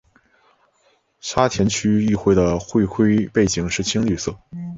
沙田区议会的会徽背景是青绿色。